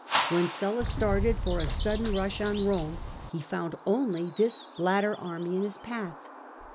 When Sulla started for a sudden rush on Eome, he found only this latter army in his path.